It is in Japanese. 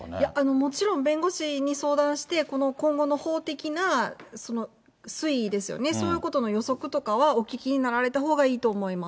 もちろん弁護士に相談して、この今後の法的な推移ですよね、そういうことの予測とかはお聞きになられたほうがいいと思います。